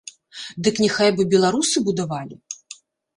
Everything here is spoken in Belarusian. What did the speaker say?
Дык няхай бы беларусы будавалі!